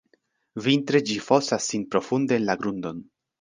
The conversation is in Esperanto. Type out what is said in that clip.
Vintre ĝi fosas sin profunde en la grundon.